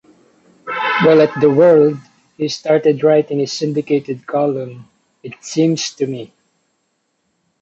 While at the "World," he started writing his syndicated column, "It Seems to Me".